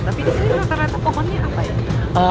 tapi disini rata rata pohonnya apa ya